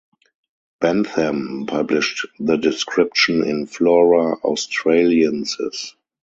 Bentham published the description in "Flora Australiensis".